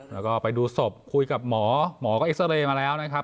แล้วก็ไปดูศพคุยกับหมอหมอก็เอ็กซาเรย์มาแล้วนะครับ